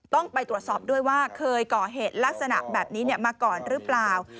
ต้องไปตรวจสอบด้วยว่าเคยก่อเหตุลักษณะแบบนี้มาก่อนหรือเปล่า